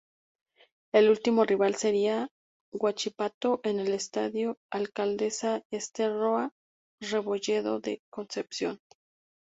El último rival sería Huachipato en el Estadio Alcaldesa Ester Roa Rebolledo de Concepción.